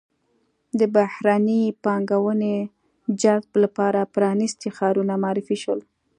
د بهرنۍ پانګونې جذب لپاره پرانیستي ښارونه معرفي شول.